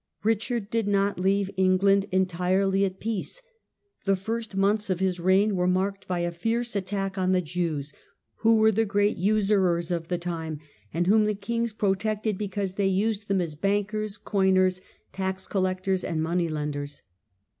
Richard did not leave England entirely at peace. The first months of his reign were marked by a fierce attack on the Jews, who were the great usurers of the time, and whom the kings pro tected because they used them as bankers, coiners, tax collectors, and money lenders.